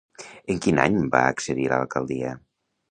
En quin any va accedir a l'alcaldia?